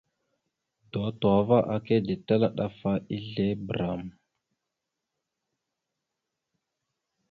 Dotohəva aka ditala ɗaf a ezle bəram.